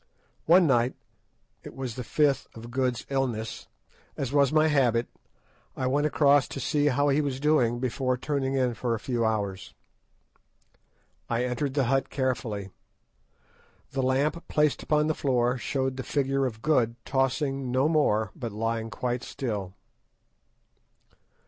One night, it was the fifth of Good's illness, as was my habit, I went across to see how he was doing before turning in for a few hours. I entered the hut carefully. The lamp placed upon the floor showed the figure of Good tossing no more, but lying quite still.